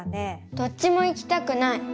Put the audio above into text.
どっちも行きたくない。